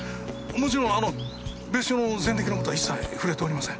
もちろんあの別所の前歴の事は一切触れておりません。